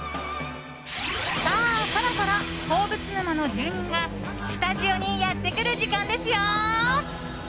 さあ、そろそろ鉱物沼の住人がスタジオにやってくる時間ですよ。